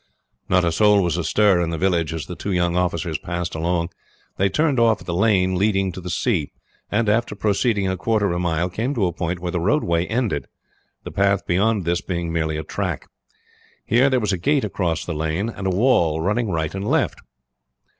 Not a soul was astir in the village as the two young officers passed along. They turned off at the lane leading to the sea, and after proceeding a quarter of a mile came to a point where the roadway ended, the path beyond this being merely a track. Here there was a gate across the lane, and a wall running right and left.